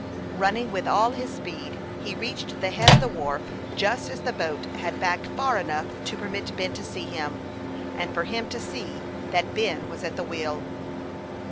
Running with all his speed, he reached the head of the wharf just as the boat had backed far enough to permit Ben to see him, and for him to see that Ben was at the wheel.